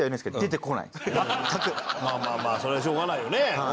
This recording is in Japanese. まあまあまあそれはしょうがないよね。